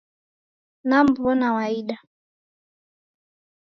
Namw'ona waida.